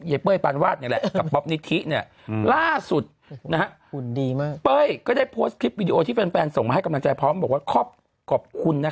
เป้ยปานวาดนี่แหละกับป๊อปนิธิเนี่ยล่าสุดหุ่นดีมากเป้ยก็ได้โพสต์คลิปวิดีโอที่แฟนส่งมาให้กำลังใจพร้อมบอกว่าขอบคุณ